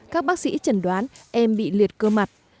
các bác sĩ chẩn đoán em bị liệt cơ mặt